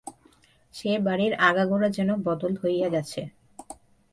সে বাড়ির আগাগোড়া যেন বদল হইয়া গেছে।